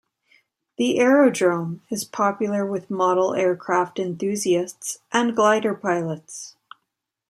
The aerodrome is popular with model aircraft enthusiasts and glider pilots.